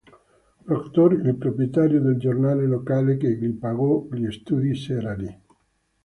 Proctor, il proprietario del giornale locale, che gli pagò gli studi serali.